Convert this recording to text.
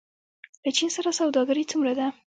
له چین سره سوداګري څومره ده؟